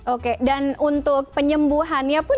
oke dan untuk penyembuhannya pun